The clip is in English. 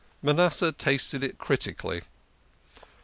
Manasseh tasted it critically.